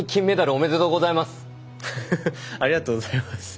ありがとうございます。